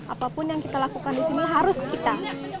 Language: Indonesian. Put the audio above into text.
apapun yang kita lakukan di sini harus kita